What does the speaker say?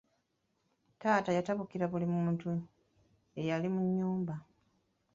Taata yatabukira buli muntu eyali mu nnyumba.